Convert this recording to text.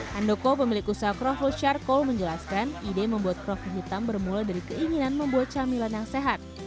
handoko pemilik usaha kroffel charcoal menjelaskan ide membuat kroffel hitam bermula dari keinginan membuat camilan yang sehat